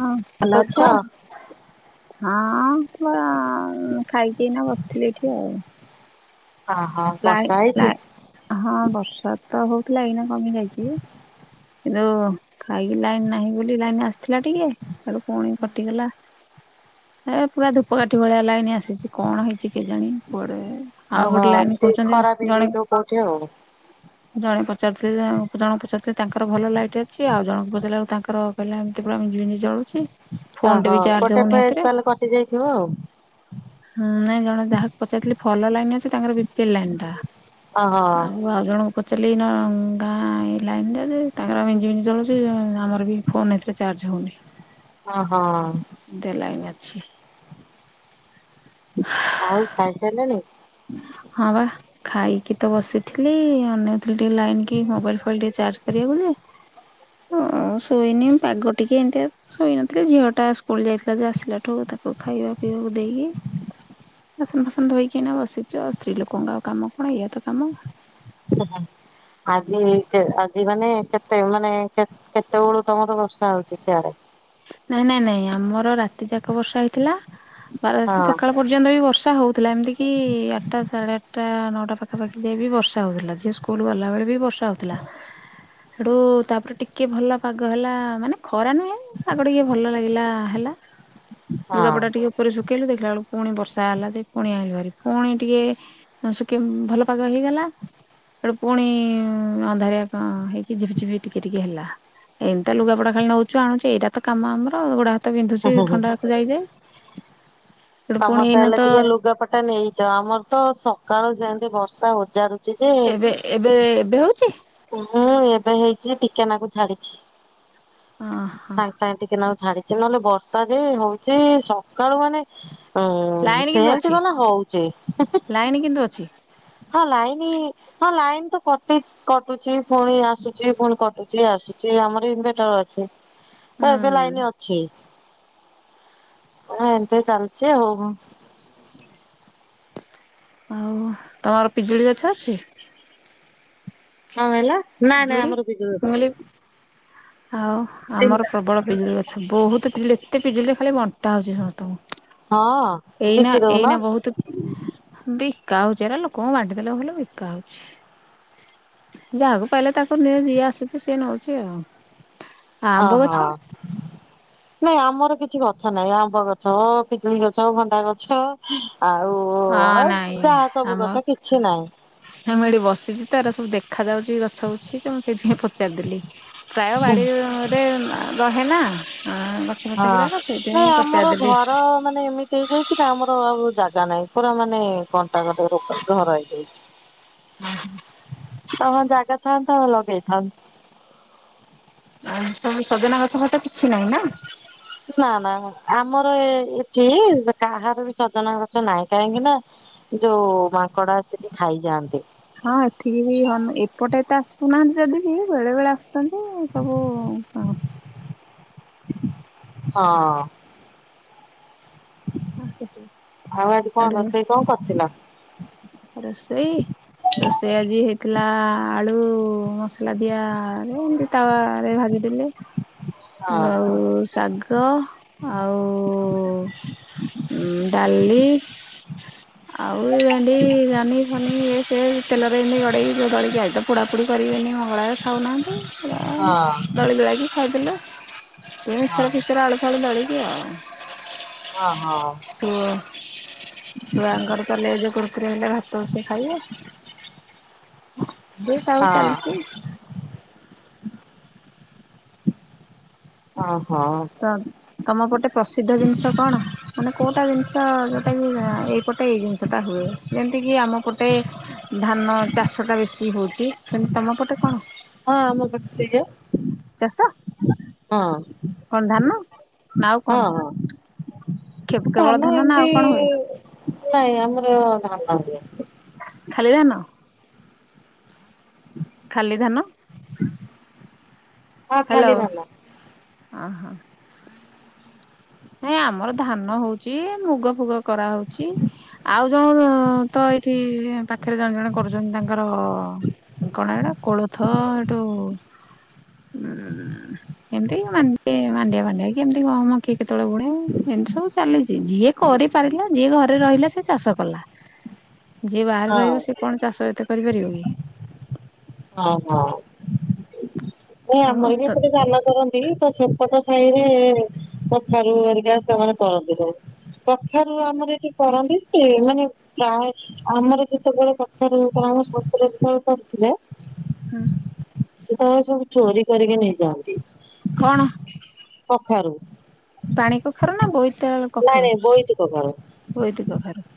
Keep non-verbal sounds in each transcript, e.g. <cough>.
ହଁ କଣ ଭଲ କରୁଛ? ଅଛ। ହଁ ପରା ଖାଇକିନା ବସିଥିଲି ଏଠି ଆଉ। ହ ହଁ। ଲ ଲ ହଁ ବର୍ଷା ତ ହଉଥିଲା ଏନା କମି ଯାଇଛି। ଏଜୁ ଖାଇକି ଲାଇନ ନାହିଁ ବୋଲି ଲାଇନ ଆସିଥିଲା ଟିକେ ଏବେ ପୁଣି କଟିଗଲା ଏ ପୁରା ଧୂପକାଠି ଭଳିଆ ଲାଇନ ଆସିଛି କଣ ହେଇଛି କେ ଜଣଣି କୁଆଡେ। ହ ହଁ। ରସ୍ ଜଣେ। ହ <inaudible> ଜଣେ ପଚାରୁଥିଲେ ଜଣେ ପଚାରୁଥିଲେ ତାଙ୍କର ଭଲ ଲାଇଟ୍ ଅଛି ଆଉ ଜଣଙ୍କୁ ପଚାରିଲାବେଳ କୁ ତାଙ୍କର। କହିଲା ଏମିତି ପୁରା ମିଲି ମିଲି ଜଳୁଛି। ଫୋନ ଟେ ଓହୋ ବି ଚାର୍ଜ ଗୋଟେ ଫେଜ ତାହେଲେ କଟି ଯାଇଥିବ ଆଉ। ହୁଁ ନାଇଁ ଜଣେ ଯାହାକୁ ପଚାରିଥିଲି ଭଲ ଲାଇନ ଅଛି ତାଙ୍କର ବିପିଏଲ୍ ଲାଇନ୍ ଟା। ହଁ ହଁ। ମୁଁ ଆଉ ଜଣଙ୍କୁ ପଚାରି ଏଇନା ଗାଁ ଲାଇନ ଟା ଯେ ତାଙ୍କର ମିଞ୍ଜି ମିଞ୍ଜି ଜଳୁଛି ଆମର ବି ଫୋନ୍ ଏଥିରେ ଚାର୍ଜ ହଉନି। <unintelligible> ଦେ ଲାଇନ୍ ଅଛି। ଆଉ ଖାଇସାରିଲଣି? ହଁ ବା। ଖାଇକି ତ ବସିଥିଲି ଅନେଇଥିଲି ଟିକେ ଲାଇନ କି ମୋବାଇଲ ଫୋବାଇଲ ଟିକେ ଚାର୍ଜ କରିବି ବୋଲି। ମୁଁ ଶୋଇନି ପାଗ ଟିକେ ଏମତିଆ। ଶୋଇନଥିଲି ଝିଅ ଟା ସ୍କୁଲ ଯାଇଥିଲା ଯେ ଆସିଲାଠୁ ତାକୁ ଖାଇବା ପିଇବାକୁ ଦେଇକି। ବାସନ ଫାସନ ଧୋଇକି ଏଇନା ବସିଛୁ ଆଉ ସ୍ତ୍ରୀ ଲୋକଙ୍କ ଆଉ କାମ କଣ ଏଇଆ ତ କାମ। <unintelligible> ଆଜି କେ ଆଜି ମାନେ କେତେ ମାନେ କେତେ କେତେ ବେଳୁ ତମର ବର୍ଷା ହଉଛି ସିୟାଡେ? ନାଇଁ ନାଇଁ ନାଇଁ ଆମର ରାତି ଯାକ ବର୍ଷା ହେଇଥିଲା ବାର ରାତି ହଁ ସକାଳ ପର୍ଯ୍ୟନ୍ତ ବି ବର୍ଷା ହଉଥିଲା ଏମିତିି କି ଆଟଟା ସାଢ଼େ ଆଟଟା ନଅଟା ପାଖାପାଖି ଯାଏ ବି ବର୍ଷା ହେଉଥିଲା ଝିଅ ସ୍କ କୁଲ୍ ଗଲାବେଳେ ବି ବର୍ଷା ହେଉଥିଲା। <inaudible> ସେଠୁ ତାପରେ ଟିକେ ଭଲ ପାଗ ହେଲା ମାନେ ଖରା ନୁହେଁ। ପାଗ ଟିକେ ଭଲ ଲାଗିଲା ହେଲା ଲୁଗାପଟା ଟିକେ ପୁର ଶୁଖେଇଲୁ ଦେଖିଲା ବେଳକୁ ପୁଣି ବର୍ଷା ହେଲା ଯେ ପୁଣି ଆଣିଲୁ ବାରେ ପୁଣି ଟିକେ ତ ସୁଖେଇବୁ ଭଲ ପାଗ ହେଇଗଲା। ସେଠୁ ପୁଣି ଅନ୍ଧାରିଆ ଉଁ ହେଇକି ଝିପିଝିପି ଟିକେ ଟିକେ ହେଲା। ଏମିତ୍ୟା ଲୁଗାପଟା ଖାଲି ନଉଚୁ ଆଣୁଚୁ ଏଇଟା ତ କାମ ଆମର ଗୋଡା ହାତ ବିନ୍ଧୁଛି ହଁ। ଥଣ୍ଡାକୁ ଯାଇ ଯାଇ। ତମର ତ ହେଲେ ଟିକେ ଲୁଗାପଟା ନେଇଛ ଆମର ତ ସକାଳୁ ଯେମିତି ବର୍ଷା ଓଜାଡୁ ଏବେ ଏବେ ଏବେ ହଉଛି? ହୁଁ ଏବେ ହେଇଛି ଟିକେ ନାଗୁରୁ ଛାଡିଛି। ଓହୋ ସାଙ୍ଗେ ସାଙ୍ଗେ ଟିକେ ନାଗୁରୁ ଛାଡିଛି ନହେଲେ ବର୍ଷା ଯେ ହଉଛି ସକାଳୁ ମାନେ। ହୁଁ ସେମିତି ଗଲା ହଉଚି ହୁଁ ହୁଁ। ଲାଇନ୍ କିନ୍ତୁ ଅଛି? ହଁ ଲାଇନ୍ ହଁ ଲାଇନ୍ ତ କଟିଚି କଟୁଚି ପୁଣି ଆସୁଚି ପୁଣି କଟୁଚି ଆସୁଚି ଆମର ଇନ୍ ଭେଟର ଅଛି। ହୁଁ ଏବେ ଲାଇନ୍ ଅଛି ଏମିତି ଚାଲିଚି ଆଉ। ଆଉ ତମର ପିଜୁଳି ଗଛ ଅଛି? କଣ କହିଲ? ନାଇଁ ନାଇଁ ପିଜୁଳି ମୁଁ ଆମର ବିଜୁଳି କହିଲି ଆଉ ଆମର ପ୍ରବଳ ପିଜୁଳି ଗ ଛ ବହୁତ ପିଜୁଳି ଏତେ ପିଜୁଳି ଯେ ଖାଲି ବ ବିକା ହୋଉଚି ହଁ ସମସ୍ତଙ୍କୁ ଏଇନା ବିକି ଦଉନ ଏଇନା ବହୁତୁ ବିକା ହୋଉଚି ଏରା ଲୋକଙ୍କୁ ବାଣ୍ଟିଦେଲେ ଭଲ ବିକା ହୋଉଚି। ଯାହାକୁ ପାଇଲେ ତାକୁ ନିଏ ଯିଏ ଆସୁଛି ସିଏ ନଉଛି ଆଉ। ଆମ୍ବ ଗଛ ଓଃହଁ। ନାଇଁ ଆମର କିଛି ଗଛ ନାଇଁ ଆମ୍ବ ଗଛ, ପିଜୁଳି ଗଛ, ଭଣ୍ଡା ଗଛ। ଆଉ ହଁ ଏ ନାଇଁ ତା ସବୁ ଗଛ କିଛି ନାହିଁ। ହଁ ମୁଁ ଏଠି ବସିଚି ତ, ଏରା ସବୁ ଦେଖା ଯାଉଚି ଗଛ ଗୁଛି ତ ମୁଁ ସେଇଥିପାଇଁ ପଚାରିଦେଲି। ପ୍ରାୟ ବାଡିରେ ରହେ ନା ଆଁ ଗଛ ହଁ। ଗୁରାକ ସେଇଥିପାଇଁ ନାଇଁ ମୁଁ ଆମର ପଚାରିଦେଲି। ଘର ମାନେ ଏମିତି ହେଇଯାଇଚି ନା ଆମର ଆଉ ଜାଗା ନାହିଁ, ପୁରା ମାନେ କଣ୍ଟା କଣ୍ଟି ଉପରେ ଘର ହେଇଯାଇଛି। ଅ ହଁ ଜାଗା ଥାନ୍ତା ହଁ ଲଗେଇଥାନ୍ତି। ଆଚ୍ଛ, ସବୁ ସଜନା ଗଛ ଫଛ କିଛି ନାହିଁ ନା? ନା ନା ଆମର ଏ ଏଠି କାହାର ବି ସଜନା ଗଛ ନାହିଁ କାହିଁକି ନା ଯୋଉ ମାଙ୍କଡ ଆସିକି ଖାଇଯାଆନ୍ତି। ହଁ ଏଠିକି ବି ହନ ଏପଟେ ଏତେ ଆସୁନାହାନ୍ତି ଯଦି ବି ବେଳେ ବେଳେ ଆସୁ ଛନ୍ତି ସବୁ ଆ ହଁ। ହଁ ସିକି ଆଉ ଆଜି କଣ ରୋଷେଇ କଣ କରିଥିଲ? ରୋଷେଇ ରୋଷେଇ ଆଜି ହେଇଥିଲା ଆଳୁ ମସଲା ଦିଆ ରେ ଏମତି ତାୱ ରେ ଭାଜିଥିଲି ହଁ ଆଉ ଶାଗ ଆଉ ଉଁ ଡାଲି ଆଉ ଏମ ତି ଜହ୍ନି ଫନି ଇଏ ସିଏ ତେଲରେ ଏମିତି ଗଡ଼େଇକି ଦଳିକି ଆଜି ତ ପୋଡ଼ାପୋଡ଼ି କରିବିନି ମଙ୍ଗଳାବାର। ଖାଉନାହାନ୍ତି ହଁ ଛୁଆମାନେ ଦଳି ଦୁଳାକି ଖାଇଦେଲୁ, ଏ ହଁ ମିଚର୍ ଫିଚର ଆଳୁ ଫାଳୁ ଦଳିକି ଆଉ ହଁ ହଁ। ଛୁଅ ଛୁଆଙ୍କର ତାହେଲେ ଏ ଟ୍ରେନରେ ଭାତ ବସିକି ଖାଇବେ ଦେ ହଁ ସବୁ ଓହୋ ଚାଲିଚି ଅଁ ହଁ। ତ ତମ ପଟେ ପ୍ରସିଦ୍ଧ ଜିନିଷ କଣ, ମାନେ କୋଉଟା ଜିନିଷ ଯୋଉଟା କି ଏଇପଟ ସେଠି ଏଇ ଜିନିଷଟା ହୁଏ, ଯେମିତିକି ଆମ ପଟେ ଧାନ ଚାଷ ଟା ବେଶୀ ହଉଚି, ସେମିତି ତମ ପଟେ କଣ? ହଁ ଆମ ପଟେ ସେଇଆ। ଚାଷ ହଁ କଣ ଧାନ? ନା ଆଉ କଣ ହଁ ହଁ। କେବଳ ଧାନ ନା ଏମିତି ଆଉ କଣ ହୁଏ ନାଇଁ ଆମର ଧାନ ହୁଏ। ଖାଲି ଧାନ। ଖାଲି ଧାନ ହଁ ହାଲୋ, ଖାଲି ଧାନ। ଅଁ-ହଁ। ନାଇଁ ଆମର ଧାନ ହଉଚି, ମୁଗ ଫୁଗ କରାହଉଚି। ଆଉ ଜଣ ତ ଏଇଠି ପାଖରେ ଜଣେ ଜଣେ କରୁଚନ୍ତି ତାଙ୍କର କଣ ଏଇଟା କୋଳଥ ଏଟୁ ଉଁ ଏମିତି ମାଣ୍ଡି ମାଣ୍ଡିଆ ଫାଣ୍ଡିଆ କି ଏମିତି ଗହମ କି? କେତେବେଳେ ପୁଣି ଏମିତି ସବୁ ଚାଲିଚି ଯିଏ କରିପାରିଲା ଯିଏ ଘରେ ରହିଲା ସେ ଚାଷ କଲା। ହୁଁ। ଯିଏ ବାହାରେ ରହିବ, ସିଏ କଣ ଚାଷ ଏତେ କରିପାରିବ କି? ହଁ ହଁ ନାଇଁ ଆଉ ଆମର ବି ତ ଏପଟେ ଧାନ କରନ୍ତି ତ ସେ ସେପଟ ସାହିରେ କଖାରୁ ହେରିକା ସେମାନେ କରନ୍ତି ସବୁ। କଖାରୁ ଆମର ଏଠି କରନ୍ତି ଯେ ମାନେ ଫା ଆମର ଯେତେବେଳେ କଖାରୁ କରାହୁଏ ଶଶୁର ଯେତେବେଳେ କରୁଥିଲେ। ହୁଁ। ସେତେବେଳେ ସବୁ ଚୋରି କରିକି ନେଇ ଯାନ୍ତି। କଣ? କଖାରୁ। ପାଣି କଖାରୁ ନା ବୋଇତାଳୁ ନାଇଁ କଖାରୁ, ନାଇଁ ବୋଇତି କଖାରୁ। ବୋଇତି କଖାରୁ।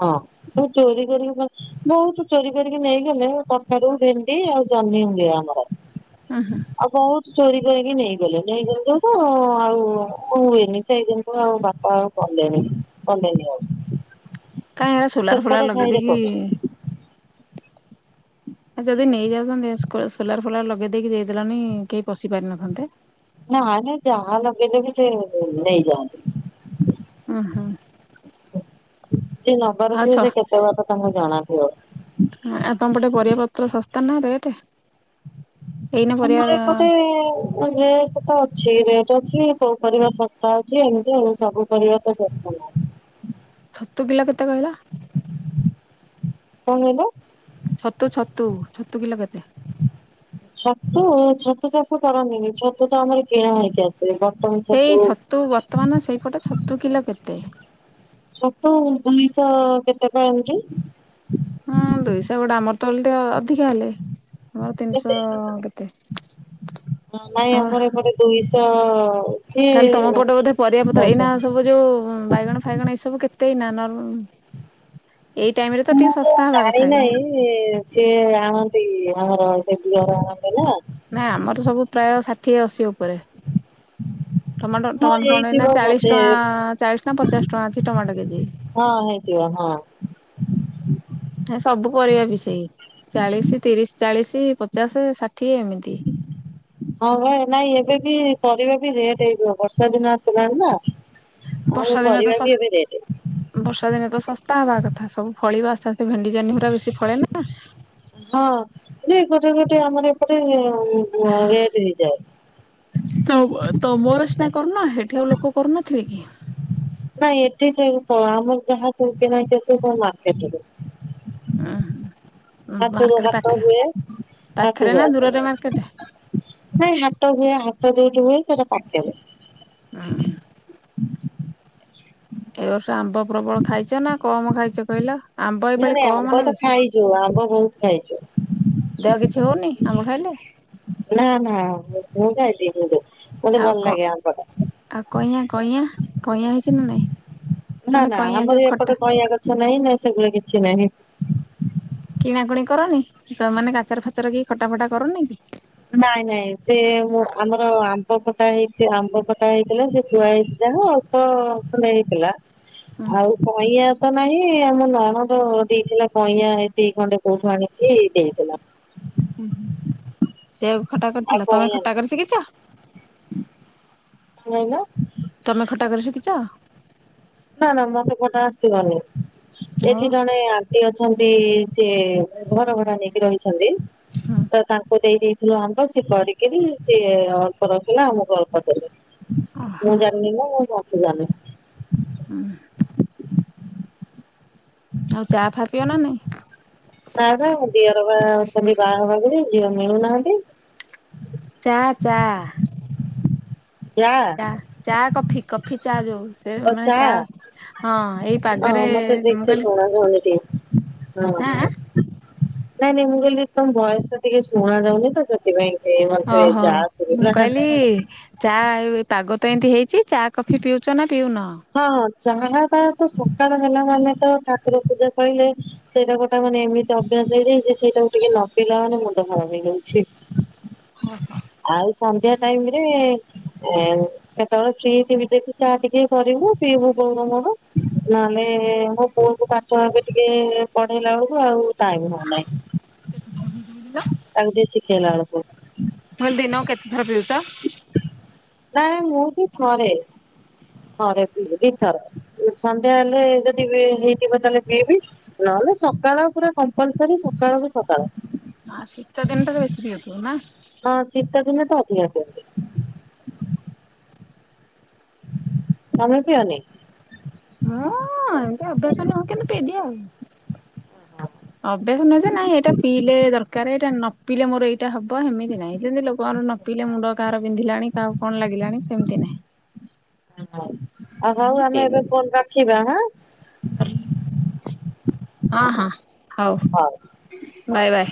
ହଁ ସବୁ ଚୋରି କରିବି ଗଛ୍ ବହୁତ ଚୋରି କରିକି ନେଇଗଲେ କଖାରୁୁ, ଭେଣ୍ଡି ଆଉ ଜହ୍ନି ହୁଏ ଆମର। ଉଁ ହୁଁ ଆଉ ବହୁତ ଚୋରି କରିକି ନେଇଗଲେ, ନେଇଗଲେ ଯୋଉଠୁ ଆଉ କୁ ହୁଏନି, ସେଇଦିନଠୁ ଆଉ ବା ଆଉ କଲେନି, କଲେନି ଆଉ। କାଇଁ ଏରା ସୋଲାର ସେପଟ ଫୋଲାର ସାହିରେ ଲଗେଇଦକି କରୁଛନ୍ତି। <inaudible> ଆ ଯଦି ନେଇ ଯାଉଛନ୍ତି, ସ୍କୋ ସୋଲାର ଫୋଲାର ଲଗେଇ ଦେଇେଇକି ଦେଇଦେଲନି କେହି ପଶି ପାରିିନଥାନ୍ତେ। ନା ନାଇ ଯାହା ଲଗେଇଲେ ବି ସେ ନେଇଯାଆନ୍ତି। ଉହୁଁ। ଯିଏ ନବାର ଆଉ ଛ ଥିବ ସେ କେତେ ବାଟ ତାଙ୍କୁ ଜଣାଥିବ। ଆ ତମ ପଟେ ପରିବା ପତ୍ର ଶସ୍ତା ନା ରେଟ୍? ଏଇନା ପରିବା ଆମର ଏପଟେ ରେଟ୍ ତ ଅଛି, ରେଟ୍ ଅଛି କୋଉ ପରିବା ଶସ୍ତା ଅଛି, ଏମିତି ଆଉ ସବୁ ପରିବା ତ ଶସ୍ତା ନାହିଁ। ହଁ <inaudible> ଛତୁ କିଲ କେତେ କହିଲ? କଣ କହିଲ? ଛତୁ ଛତୁ, ଛତୁ କିଲ କେତେ? ଛତୁ, ଛତୁ ଚାଷ କରନ୍ତି ନି, ଛତୁ ତ ଆମର କିଣା ହେଇକି ଆସେ ବ ସେଇ ଛତୁ, ବର୍ତ୍ତମାନ ସେଇପଟ ଛତୁ କିଲ କେତେ? ସତ ଦୁଇଶହ କେତେ ଟଙ୍କା ଏମିତି। ହଁ ଦୁଇଶହ ଗୋଟେ ଆମର ତେ ଓଲଟି ଧିକା ହେଲେ, ଆମର କେତେ ତିନିଶହ କେତେ, ହଁ ଦୁଇ ସହ ତାହେଲେ ତମ ପଟେ ବୋଧେ ପରିବା ପତ୍ର ଏଇନା ସବୁ ଯୋଉ ବାଇଗଣ ଫାଇଗଣ ଏଇ ସବୁ କେତେ ଏଇନା ନର୍ମ, ଏଇ ଟାଇମରେ ତ ଟିକେ ଶସ୍ତା ହେବା କଥା ଏଇନା। ସେ ସିଏ ଆଣନ୍ତି, ଆମର ସେ ଦିଅର ଆଣନ୍ତି ନା ନା ଆମର ସବୁ ପ୍ରାୟ ଷାଠିଏ ଅଶୀ ଉପରେ। ଟମାଟୋ ହଁ ଟମାଟୋ ଫମାଟ ହେଇଥିବ ଏଇନା ଚାଳିଶ ବୋଧେ ଟଙ୍କା, ଚାଳିଶ ନା ପଚାଶ ଟଙ୍କା ଅଛି ଟମାଟୋ କେଜି। ହଁ ହେଇଥିବ, ହଁ। ସବୁ ପରିବା ବି ସେଇ ଚାଳିଶ, ତିରିଶ, ଚାଳିଶ, ପଚାଶ, ଷାଠିଏ ଏମିତି। <inaudible> ହଁ ବା ନାଇଁ ଏବେ ବି ପରିବା ବି ରେଟ୍ ହେଇଯିବ, ବର୍ଷା ଦିନ ଆସିଲାଣି ନା। ବର୍ଷା ଆଉ ଦିନେ ତ ପରିବା ଶସ୍ତା ବି ଏବେ ରେଟ୍। ବର୍ଷା ଦିନେ ତ ଶସ୍ତା ହବା କଥା, ସବୁ ଫଳିବ ଆସ୍ତେ ଆସ୍ତେ ଭେଣ୍ଡି ଜହ୍ନି ଗୁରା ବେଶି ଫଳେ ନା? ହଁ ଯେ ଗୋଟେ ଗୋଟେ ଆମର ଏପଟେ ରେଟ୍ ହେଇଯାଏ। <unintelligible> ତମର ସିନା କରୁନ ହେଠି ଆଉ ଲୋକ କରୁନଥିବେ କି? ନାଇଁ ଏଠି ସବୁ କଣ ଆମର ଯାହା ସବୁ କିଣା ହେଇକି ଆସିବ ସବୁ ମାର୍କେଟ‌ରୁ। ଉଁ ହୁଁ। ହାତରୁ ହାଟ ହୁଏ ହାଟ ପାଖରେ ରୁ ନା ଆସେ। ଦୂରରେ ମାର୍କେଟ? ନାଇଁ ହାଟ ହୁଏ ହାଟ ଯଉଠି ହୁଏ ସେଟା ପାଖେରେ। ହୁଁ। ଏ ବର୍ଷ ଆମ୍ବ ପ୍ରବଳ ଖାଇଚ ନା କମ ଖାଇଚ କହିଲ ଆମ୍ବ ଏ ପାଳି କମ ନା ବେଶୀ? ଯିବୁ ଆମ୍ବ ବହୁତ ଖାଇଛୁ। ଦେହ କିଛି ହଉନି ଆମ୍ବ ଖାଇଲେ? ନା ନା ମ ପୁଅ ଖାଇଦେ <unintelligible> ମୋତେ ଆଉ ଭଲ କ ଲାଗେ ଆମ୍ବ ଟା। ଆଉ କଇଆଁ କଇଆଁ କଇଆଁ ହେଇଛି ନା ନାଇଁ? ନା ମାନେ ନା କଇଁଆ ଆମର ଯୋଉ ଖଟା ଏପଟେ କଇଁଆ ଗଛ ନାହିଁ ନା ସେଗୋରା କିଛି ନାହିଁ। କିଣା କୁଣି କରନି ତମ୍ ମାନେ ଗାଚର ଫାଚର କି ଖଟା ଫଟା କରନି କି? ନାଇଁ ନାଇଁ ସେ ମୁଁ ଆମର ଆମ୍ବ ଖଟା ହେଇ ଆମ୍ବ ଖଟା ହେଇଥିଲା ସେ ଥୁଆ ହେଇଚି ଯାହ ପ ଖଣ୍ଡେ ହେଇଥିଲା ଉଁ ଆଉ କଇଁଆ ତ ନାହିଁ ଆମ ନଣଦ ଦେଇଥିଲା କଇଁଆଁ ଏତିକି ଖଣ୍ଡେ କୋଉଠୁ ଆଣିଚି ଦେଇଥିଲା। ଉୁଁ ହୁଁ ସେୟା ଖଟା କରିଥିଲା ତମେ ଖଟା କରି ଶିଖିଛ? ନାଇଁ ନା। ତମେ ଖଟା କରି ଶଖିଛ? ନା ନା ମତେ କଟା ଆସିବନି ଆଉ ଏଠି ଜଣେ ଣ୍ଟି ଅଛନ୍ତି ସିଏ ଘର ଭଡା ନେଇକି ରହିଛନ୍ତି। ହଁ। ତ ତାଙ୍କୁ ଦେଇ ଦେଇଥିଲୁ ଆମ୍ବ ସିଏ କରିକିରି ସିଏ ଅଳ୍ପ ରଖିଲେ ଆମକୁ ଅଳ୍ପ ଦେଲେ। ଓହୋ ମୁଁ ଜାଣିନି ନା ମୁଁ ଶାଶୁ ଜାଣି ଉଁ ହୁଁ। ଆଉ ଚା ଫା ପିଅ ନା ନାଇଁ? ନା ବା ମ ଦିଅର ବାହା ଅଛନ୍ତି ବାହା ହଵାକୁଜେ ଝିଅ ମିଳୁନାହାନ୍ତି। ଚା ଚା। ଚା ଚା କଫି କଫି ଚା ଯୋଉ। ସେ ମାନେ ଚା ହଁ ଏଇ ପାଗରେ ମୁଁ କହିଲି ଭଉଣୀ ଟିଏ। ନାଇଁ ଆଁ ନାଇଁ ମୁଁ କହିଲି ତମ ବୟସ ଟିକେ ଶୁଣା ଯାଉନି ତ ସେଥିପାଇଁ। ଏଇ ମତେ ଜା ସୁବିଧା। କି ଚା ଏ ପାଗ ତ ଏମିତି ହେଇଚି ଚା କଫି ପିଉଚ ନା ପିଉନ? ହଁଁ ଚାହା ଡା ତାର ତ ସକାଳ ହେଲା ମାନେ ତ ଠାକୁର ପୂଜା ସଇଲେ। ସେଇଟା ଗୋଟା ମାନେ ଏମିତି ଅଭ୍ୟାସ ହେଇଯାଇଚି ସେଇଟାକୁ ଟିକେ ନ ପିଇଲା ମାନେ ମୁଣ୍ଡ <unintelligible> ହେଇଯାଉଛି। ଆଉ ସନ୍ଧ୍ୟା ଟାଇମ ରେ ଏଁ କେତେବେଳେ ଫ୍ରି ଥିବି ଦେଖି ଚାହା ଟିକେ କରିବୁ ପିଇବୁ ବଉ ଆଉ ମୋର ନହେଲେ ମୋ ପୁଅକୁ ପା ଛୁଆଁ କେ ଟିକେ ପଢେଇଲା ବେଳକୁ ଆଉ ଟାଇମ ହଉନାହିଁ। ତାକୁ ଟିକେ ଶିଖେଇଲା ବେଳକୁ। ମୁଁ କହିଲି ଦିନକୁ କେତେ ଥର ପିଉଚ? ନା ନା ମୁଁ ସେ ଥରେ। ଥରେ ବପିଏ ଦିଇ ଥର ସନ୍ଧ୍ୟା ହେଲେ ଯଦି ହେଇ ଥିବ ତାହେଲେ ପିଇବି ନହେଲେ ସକାଳ ପୁରା କମ୍ପଲସରୀ ସକାଳକୁୁ ସକାଳ। ଆ ଶୀତ ଦିନଟାରେ ବେଶୀ ପିଉଥିବ ନା। ହଁ ଶୀତଦିନେ ତ ଅଧିକା ପିଅନ୍ତି। ତମେ ପିଅନି? ମୁଁ ଏମତି ଅଭ୍ୟାସ ନୁହଁ କିନ୍ତୁ ପିଇଦିଏ ଆଉ। ଓହୋ। ଅଭ୍ୟାସ ନୁହେଁ ଯେ ନାଇଁ ଏଇଟା ପିଇଲେ ଦରକାରେ ଏଇଟା ନ ପିଇଲେ ମୋର ଏଇଟା ହବ ହେମିତି ନାହିଁ। ଯେମିତି ଲୋକମାନେ ର ନ ପିଇଲେ ମୁଣ୍ଡ କାହାର ବିନ୍ଧିଲାଣି କାହାକୁ କଣ ଲାଗିଲାଣି ସେମିତି ନାହିଁ। ଖିବା ହଁ। ହଁ ହଁ ହଉ ବାଏ ବାଏ।